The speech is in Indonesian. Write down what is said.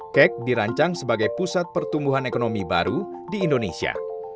kek dirancang sebagai pusat pertumbuhan ekonomi baru di indonesia